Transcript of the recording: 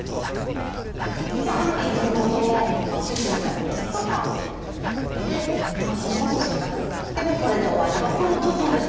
今この手元のまあスイッチみたいなのを押すとパンッていうふうにいって肝臓の組織が採れてきてもうこれで終わりっていう感じです。